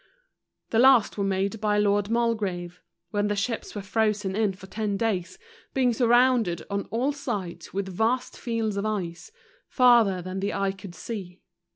The 14 ICY SEA. last were made by Lord Mulgrave; when the ships were frozen in for ten days, being sur¬ rounded on all sides with vast fields of ice, far¬ ther than the eye could see.